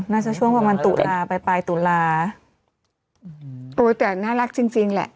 น่าจะช่วงวันตุลาปลายปลายตุลาอืมโอ้ยแต่น่ารักจริงจริงแหละ